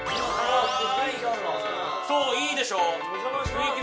そういいでしょ雰囲気